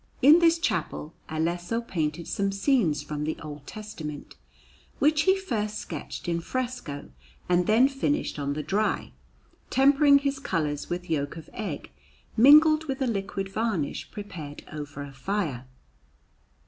In this chapel Alesso painted some scenes from the Old Testament, which he first sketched in fresco and then finished on the dry, tempering his colours with yolk of egg mingled with a liquid varnish prepared over a fire.